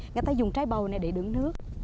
người ta dùng trái bầu này để đứng nước